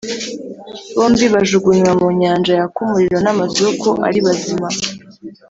Bombi bajugunywa mu nyanja yaka umuriro n’amazuku ari bazima.